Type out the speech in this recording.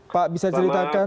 pak bisa ceritakan